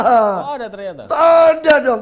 ada ternyata ada dong